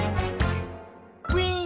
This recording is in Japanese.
「ウィン！」